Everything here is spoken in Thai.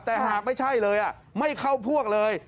แต่หากไม่ใช่เลยไม่เข้าพวกเลย